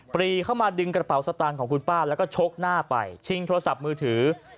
ปรีเข้ามาดึงกระเป๋าสตางค์ของคุณป้าแล้วก็ชกหน้าไปชิงโทรศัพท์มือถือ